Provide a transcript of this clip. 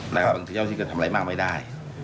บางทีเจ้าที่ก็ทำอะไรมากไม่ได้